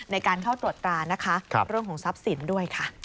ในการเข้าตรวจตรานะคะเรื่องของทรัพย์สินด้วยค่ะ